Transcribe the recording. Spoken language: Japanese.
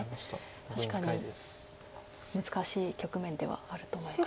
確かに難しい局面ではあると思います。